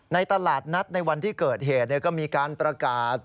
ตลาดนัดในวันที่เกิดเหตุก็มีการประกาศ